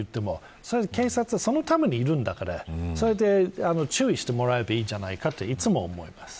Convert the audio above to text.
警察は、そのためにいるんだからそれで注意してもらえればいいじゃないかといつも思います。